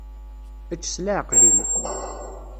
Ečč s leɛqel-im.